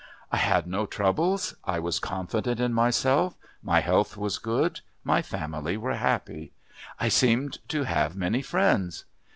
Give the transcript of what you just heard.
"I had no troubles. I was confident in myself, my health was good, my family were happy. I seemed to have many friends....